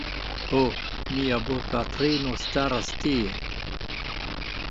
Ho... mia bopatrino staras tie